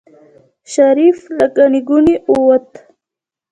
شريف له ګڼې ګوڼې ووت.